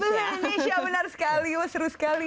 indonesia benar sekali seru sekali